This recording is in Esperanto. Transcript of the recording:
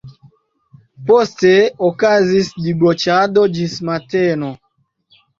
Poste okazis diboĉado ĝis mateno.